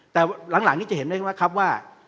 แต่หลังนี้จะเห็นได้ว่าครับว่า